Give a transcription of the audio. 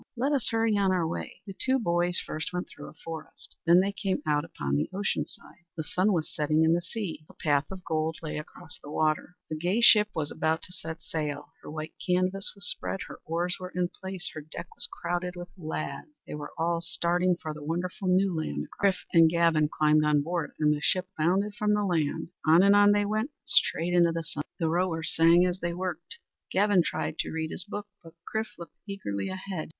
Let us hurry on our way." The two boys first went through a forest. Then they came out upon the ocean side. The sun was setting in the sea. A path of gold lay across the water. A gay ship was about to set sail. Her white canvas was spread; her oars were in place. Her deck was crowded with lads. They were all starting for the wonderful New Land across the sea. Chrif and Gavin climbed on board and the ship bounded from the land. On and on they went, straight into the sunset. The rowers sang as they worked. Gavin tried to read his book, but Chrif looked eagerly ahead.